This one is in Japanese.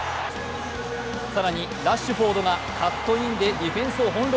更にラッシュフォードがカットインでディフェンスをほん弄。